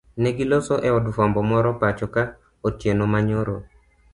Negiloso eod fwambo moro pachoka otieno manyoro.